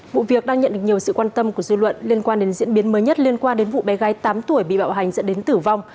vụ việc đang nhận được nhiều sự quan tâm của dư luận liên quan đến diễn biến mới nhất liên quan đến vụ bé gái tám tuổi bị bạo hành dẫn đến tử vong